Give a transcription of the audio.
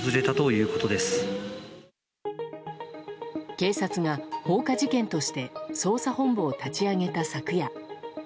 警察が放火事件として捜査本部を立ち上げた昨夜